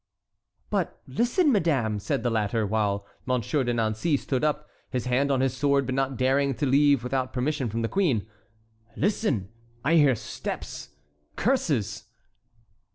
"But listen, madame," said the latter, while Monsieur de Nancey stood up, his hand on his sword, but not daring to leave without permission from the queen, "listen, I hear steps, curses."